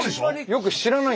よく知らない。